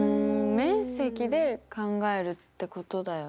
面積で考えるってことだよね。